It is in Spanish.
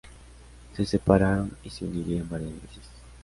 Se separaron y se unirían varias veces.